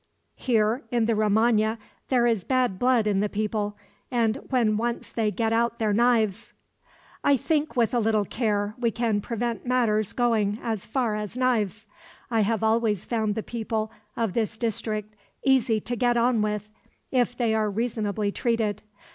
Here in the Romagna there is bad blood in the people, and when once they get out their knives " "I think with a little care we can prevent matters going as far as knives. I have always found the people of this district easy to get on with, if they are reasonably treated.